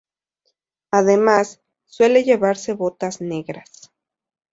Además, suele llevar botas negras.